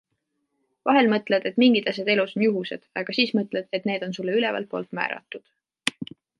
Vahel mõtled, et mingid asjad elus on juhused, aga siis mõtled, et need on sulle ülevalt poolt määratud.